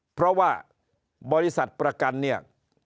เพราะว่าบริษัทประกันเนี่ย